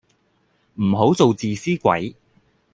唔好做自私鬼